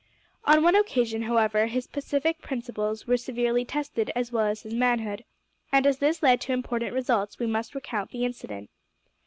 On one occasion, however, his pacific principles were severely tested as well as his manhood, and as this led to important results we must recount the incident.